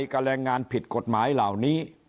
แรงงานผิดกฎหมายเหล่านี้